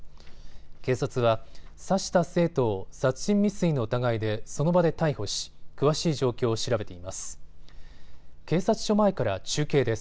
警察は刺した生徒を殺人未遂の疑いでその場で逮捕し詳しい状況を調べています。